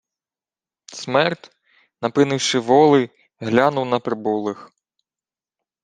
Смерд, напинивши воли, глянув на прибулих.